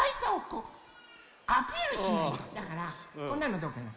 だからこんなのどうかな？